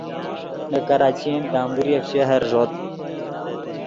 نے کراچین گمبوریف شہر ݱوت